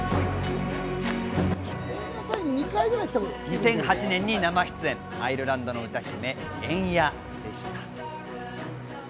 ２００８年に生出演、アイルランドの歌姫・エンヤでした。